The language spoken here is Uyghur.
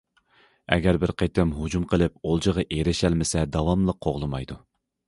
ئەگەر بىر قېتىم ھۇجۇم قىلىپ ئولجىغا ئېرىشەلمىسە داۋاملىق قوغلىمايدۇ.